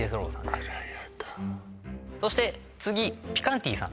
あらヤダそして次ピカンティさん